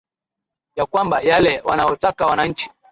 ya kwamba yale wanaotaka wananchi